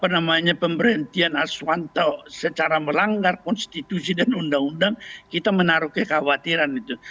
namanya pemberhentian aswanto secara melanggar konstitusi dan undang undang kita menaruh kekhawatiran itu